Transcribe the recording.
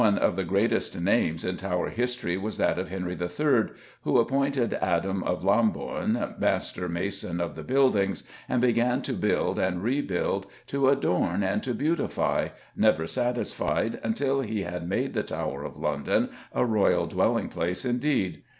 One of the greatest names in Tower history is that of Henry III., who appointed Adam of Lambourne master mason of the buildings, and began to build and rebuild, to adorn and to beautify, never satisfied until he had made the Tower of London a royal dwelling place indeed.